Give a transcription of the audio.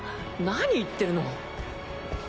何言ってるの！？